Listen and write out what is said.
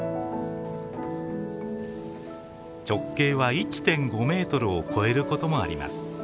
直径は１．５ｍを超えることもあります。